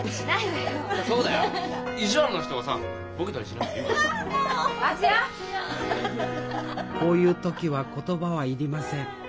こういう時は言葉はいりません。